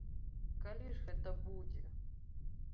Калі ж гэта будзе?